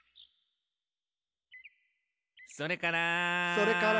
「それから」